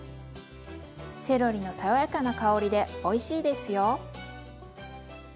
セロリの爽やかな香りでおいしいですよ。